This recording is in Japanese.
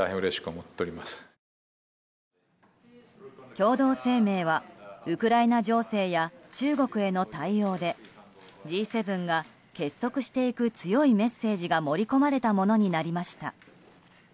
共同声明はウクライナ情勢や中国への対応でＧ７が結束していく強いメッセージが盛り込まれたものになりました。